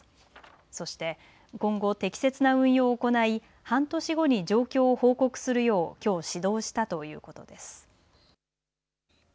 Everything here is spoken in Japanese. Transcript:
そして今後、適切な運用を行い半年後に状況を報告するようきょう指導したということです。